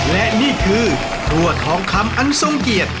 และนี่คือถั่วทองคำอันทรงเกียรติ